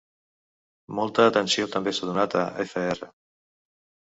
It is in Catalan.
Molta atenció també s'ha donat a fr.